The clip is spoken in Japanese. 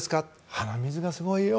鼻水がすごいよ。